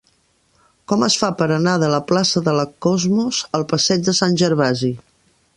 Com es fa per anar de la plaça de la Cosmos al passeig de Sant Gervasi?